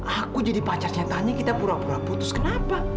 aku jadi pacar saya tanya kita pura pura putus kenapa